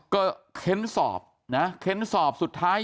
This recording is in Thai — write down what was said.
ก็เค้นสอบนะเค้นสอบสุดท้าย